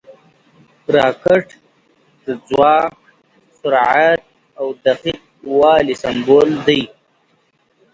راکټ د ځواک، سرعت او دقیق والي سمبول دی